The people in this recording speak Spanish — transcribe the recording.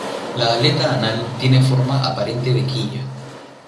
La aleta anal tiene forma aparente de quilla.